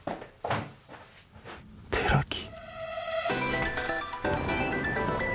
寺木？